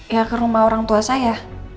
ya ke rumah orang tua saya